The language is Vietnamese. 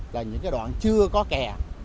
là những cái đoạn chưa có kè